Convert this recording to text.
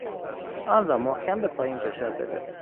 آن را محکم به پایین فشار بده!